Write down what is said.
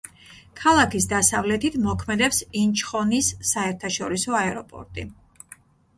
ქალაქის დასავლეთით მოქმედებს ინჩხონის საერთაშორისო აეროპორტი.